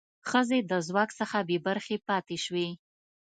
ښځې د ځواک څخه بې برخې پاتې شوې.